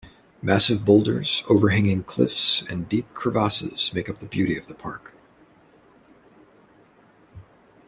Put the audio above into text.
Massive boulders, overhanging cliffs and deep crevasses make up the beauty of the park.